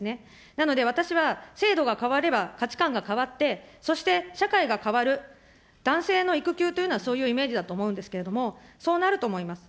なので私は、制度が変われば価値観が変わって、そして、社会が変わる、男性の育休というのはそういうイメージだと思うんですけれども、そうなると思います。